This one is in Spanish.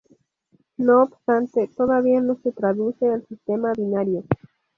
No obstante, todavía no se traduce al sistema binario.